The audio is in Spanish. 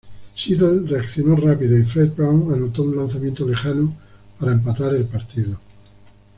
Seattle reaccionó rápido, y Fred Brown anotó un lanzamiento lejano para empatar el partido.